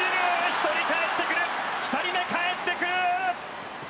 １人かえってくる２人目かえってくる！